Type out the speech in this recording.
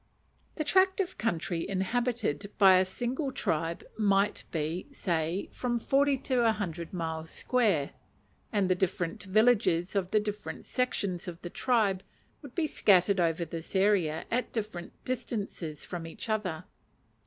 The tract of country inhabited by a single tribe might be, say, from forty to a hundred miles square, and the different villages of the different sections of the tribe would be scattered over this area at different distances from each other.